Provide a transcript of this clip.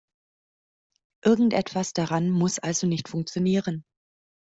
Irgendetwas daran muss also nicht funktionieren!